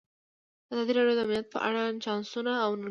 ازادي راډیو د امنیت په اړه د چانسونو او ننګونو په اړه بحث کړی.